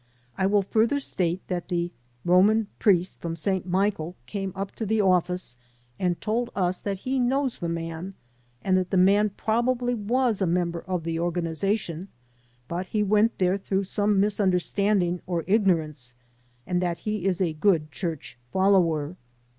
... I will further say that the R. Priest from St. Michael came up to the office and told us that he knows the man and that the man probably was a member of the organization, but he went there through some misunderstanding or ignorance and that he is a good church follower.